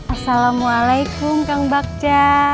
assalamualaikum kang bagja